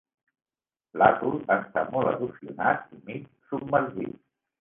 L'atol està molt erosionat i mig submergit.